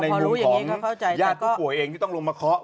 มือของญาติผู้ป่วยเองที่ต้องลงมาเคาะ